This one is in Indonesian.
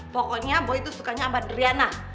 pokoknya boy itu sukanya sama driana